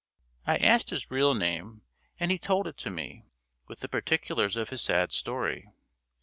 I asked his real name, and he told it to me, with the particulars of his sad story.